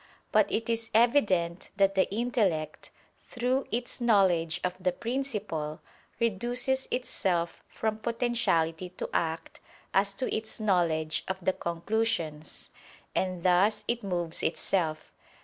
But it is evident that the intellect, through its knowledge of the principle, reduces itself from potentiality to act, as to its knowledge of the conclusions; and thus it moves itself.